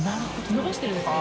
伸ばしてるんですか？